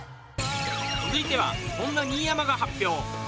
続いてはそんな新山が発表